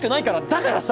だからさ！